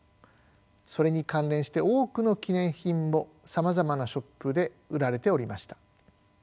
それに関連して多くの記念品もさまざまなショップで売られておりました。